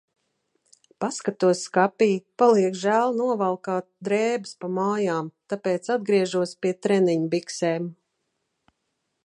Paskatos skapī, paliek žēl novalkāt drēbes pa mājām, tāpēc atgriežos pie treniņbiksēm.